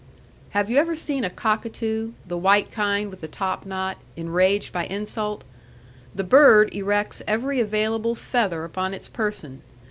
Have you ever seen a cockatoo the white kind with the top knot enraged by insult? The bird erects every available feather upon its person.